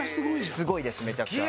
すごいですめちゃくちゃ。